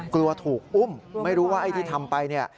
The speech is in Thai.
กลัวถูกอุ้มไม่รู้ว่าไอ้ที่ทำไปเนี่ย